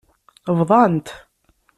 Bḍant.